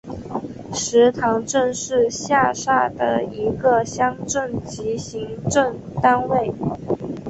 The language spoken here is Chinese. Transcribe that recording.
石塘镇是下辖的一个乡镇级行政单位。